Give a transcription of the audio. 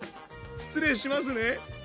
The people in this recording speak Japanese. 失礼しますね。